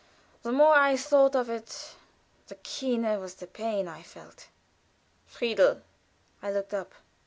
The more I thought of it, the keener was the pain I felt. "Friedel!" I looked up.